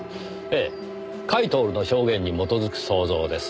ええ甲斐享の証言に基づく想像です。